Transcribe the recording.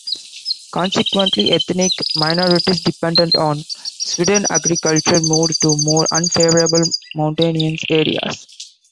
Consequently, ethnic minorities dependent on swidden agriculture moved to more unfavourable mountainous areas.